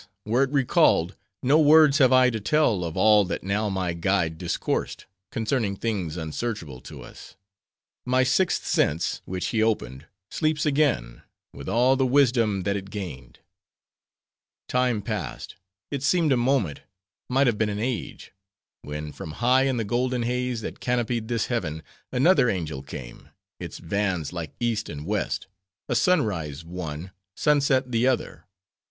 were it recalled, no words have I to tell of all that now my guide discoursed, concerning things unsearchable to us. My sixth sense which he opened, sleeps again, with all the wisdom that it gained. "Time passed; it seemed a moment, might have been an age; when from high in the golden haze that canopied this heaven, another angel came; its vans like East and West; a sunrise one, sunset the other.